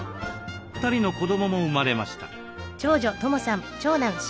２人の子どもも生まれました。